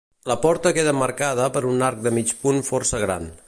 La porta queda emmarcada per un arc de mig punt força gran.